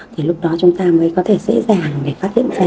thì lúc đó chúng ta mới có thể dễ dàng để phát hiện vé